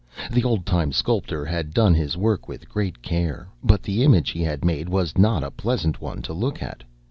The old time sculptor had done his work with great care, but the image he had made was not a pleasant one to look at.